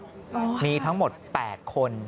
อ๋อค่ะมีทั้งหมดแปดคน